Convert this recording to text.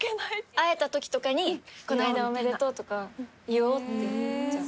会えたときとかにこないだおめでとうとか言おうって思っちゃう。